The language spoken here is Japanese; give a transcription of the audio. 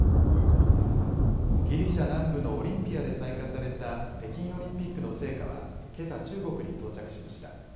ギリシャ南部のオリンピアで採火された北京オリンピックの聖火は、けさ、中国に到着しました。